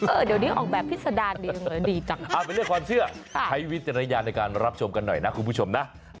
เออเดี๋ยวนี้ออกแบบพิสดารดีจังไปเรียกความเชื่อให้วิทยาลัยในการมารับชมกันหน่อยนะคุณผู้ชมนะ